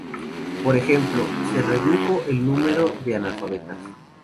Por ejemplo, se redujo el número de analfabetas.